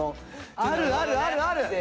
あるあるあるある！